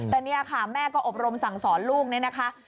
แต่นี่ค่ะแม่ก็อบรมสั่งสอนลูก